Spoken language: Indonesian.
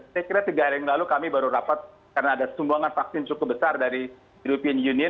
saya kira tiga hari yang lalu kami baru rapat karena ada sumbangan vaksin cukup besar dari european union